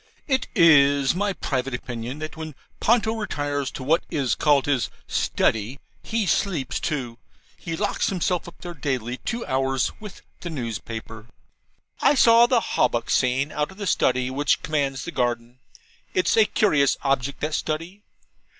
It is my private opinion that when Ponto retires to what is called his 'Study,' he sleeps too. He locks himself up there daily two hours with the newspaper. I saw the HAWBUCK scene out of the Study, which commands the garden. It's a curious object, that Study.